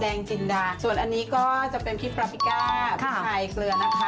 จินดาส่วนอันนี้ก็จะเป็นพี่ปราบปิก้าพริกไทยเกลือนะคะ